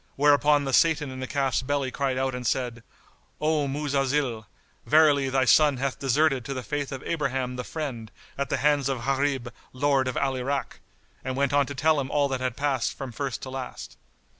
whereupon the Satan in the calf's belly cried out and said, "O Muzalzil, verily thy son hath deserted to the Faith of Abraham the Friend, at the hands of Gharib Lord of Al Irak;" and went on to tell him all that had passed from first to last.